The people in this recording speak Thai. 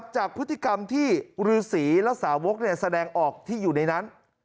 จากพฤติกรรมที่ฤษีและสาวกแสดงออกที่อยู่ในนั้น